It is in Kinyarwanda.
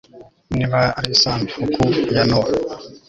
niba ari isanduku ya nowa